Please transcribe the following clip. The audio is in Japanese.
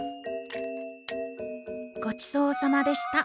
ごちそうさまでした。